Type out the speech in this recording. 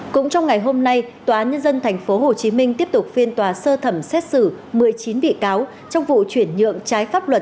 cũng trong ngày hôm nay tòa án nhân dân tp hcm tiếp tục phiên tòa sơ thẩm xét xử một mươi chín bị cáo trong vụ chuyển nhượng trái pháp luật